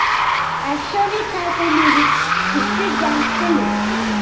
Add Tony Kakko music to Street Dance playlist